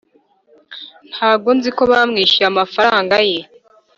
ntago nziko bamwishyuye amafaranga ye